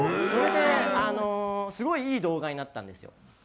それですごいいい動画になったんですよ。